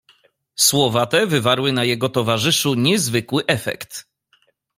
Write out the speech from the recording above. "Słowa te wywarły na jego towarzyszu niezwykły efekt."